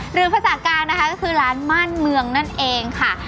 หรือภาษากลางนะคะก็คือร้านม่านเมืองนั่นเองค่ะ